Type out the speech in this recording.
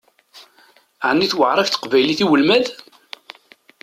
Ɛni tewεeṛ-ak teqbaylit i ulmad?